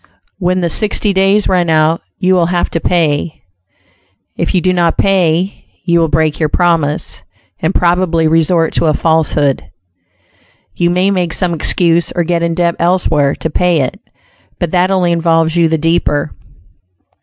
When the sixty days run out, you will have to pay. If you do not pay, you will break your promise, and probably resort to a falsehood. You may make some excuse or get in debt elsewhere to pay it, but that only involves you the deeper.